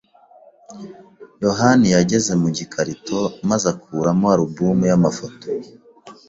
yohani yageze mu gikarito maze akuramo alubumu y'amafoto.